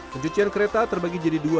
pencucian kereta terbagi jadi dua